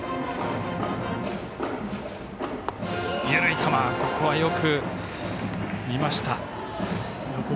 緩い球、ここはよく見ました。